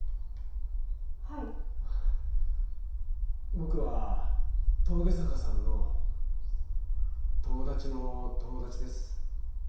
僕は峠坂さんの友達の友達です。